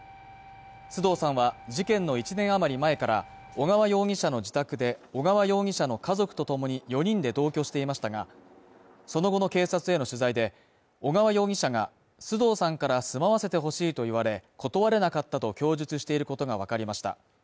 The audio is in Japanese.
須藤さんは事件の１年余り前から小川容疑者の自宅で小川容疑者の家族とともに４人で同居していましたが、その後の警察への取材で小川容疑者が須藤さんから住まわせてほしいと言われ断れなかったと供述していることがわかりました。